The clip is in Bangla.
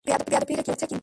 বেয়াদবি করছে কিন্তু।